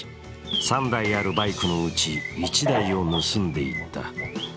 ３台あるバイクのうち１台を盗んでいった。